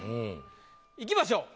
いきましょう。